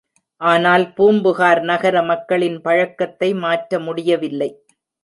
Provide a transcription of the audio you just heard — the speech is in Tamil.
ஆனால் பூம்புகார் நகர மக்களின் பழக்கத்தை மாற்ற முடியவில்லை.